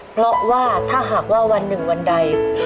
เพราะว่าถ้าหากว่าวันหนึ่งวันใด